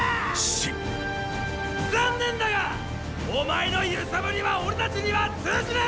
信残念だがお前の揺さぶりは俺たちには通じねェぞ！